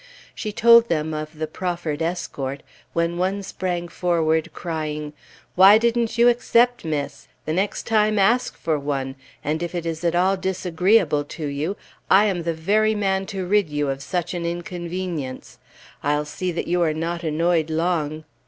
She told them of the proffered escort, when one sprang forward crying, "Why didn't you accept, Miss? The next time, ask for one, and if it is at all disagreeable to you, I am the very man to rid you of such an inconvenience! I'll see that you are not annoyed long."